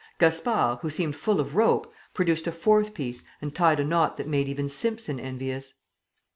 Gaspard, who seemed full of rope, produced a fourth piece and tied a knot that made even Simpson envious.